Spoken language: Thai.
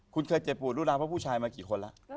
คุณเคยเจ็บป่วนธรูปราบเฮียร์เพราะผู้ชายมากี่คนล่ะ